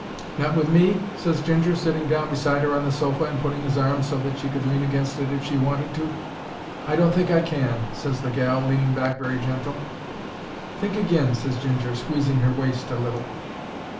"Not with me?" ses Ginger, sitting down beside her on the sofa and putting 'is arm so that she could lean against it if she wanted to. "I don't think I can," ses the gal, leaning back very gentle. "Think agin," ses Ginger, squeezing 'er waist a little.